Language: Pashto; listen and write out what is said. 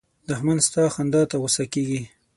دښمن ستا خندا ته غوسه کېږي